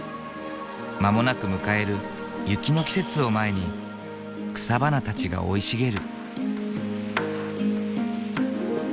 まもなく迎える雪の季節を前に草花たちが生い茂る。